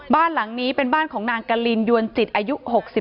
บ้านหลังนี้เป็นบ้านของนางกะลินยวนจิตอายุ๖๒